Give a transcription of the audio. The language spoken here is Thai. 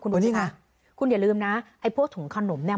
คุณดูสิคะคุณอย่าลืมนะไอ้พวกถุงขนมเนี่ย